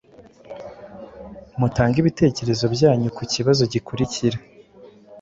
Mutange ibitekerezo byanyu ku kibazo gikurikira